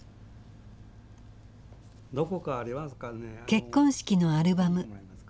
結婚式のアルバム。